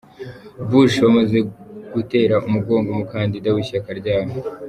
Bush bamaze gutera umugongo umukandida w’ishyaka ryabo.